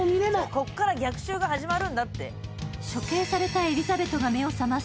ここから逆襲が始まるんだって。